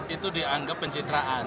itu dianggap pencitraan